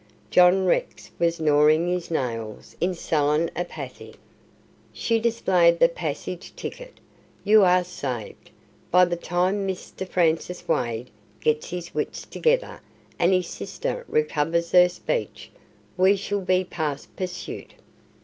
John Rex was gnawing his nails in sullen apathy. She displayed the passage ticket. "You are saved. By the time Mr. Francis Wade gets his wits together, and his sister recovers her speech, we shall be past pursuit."